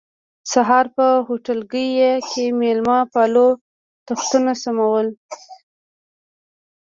سهار په هوټلګي کې مېلمه پالو تختونه سمول.